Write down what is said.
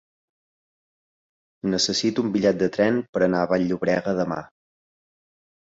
Necessito un bitllet de tren per anar a Vall-llobrega demà.